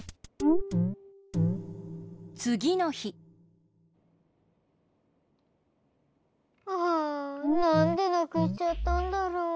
つぎのひはあなんでなくしちゃったんだろう。